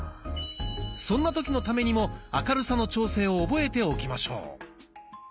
そんな時のためにも明るさの調整を覚えておきましょう。